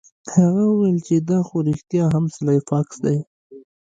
هغه وویل چې دا خو رښتیا هم سلای فاکس دی